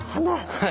はい。